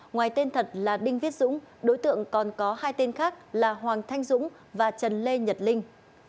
ngoài tên thật là đinh viết dũng đối tượng còn có hai tên khác là hoàng thanh dũng và trần lê nhật linh